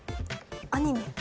アニメ。